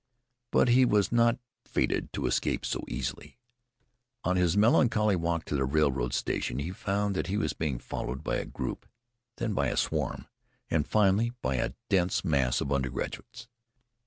But he was not fated to escape so easily. On his melancholy walk to the railroad station he found that he was being followed by a group, then by a swarm, and finally by a dense mass of undergraduates.